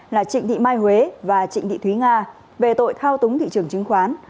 là trịnh thị mai huế và trịnh thị thúy nga về tội thao túng thị trường chứng khoán